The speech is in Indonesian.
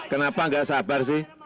kenapa enggak sabar sih